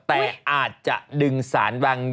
แต่อาจจะดึงสารวาง